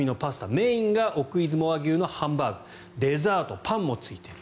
メインが奥出雲和牛のハンバーグデザート、パンもついてる。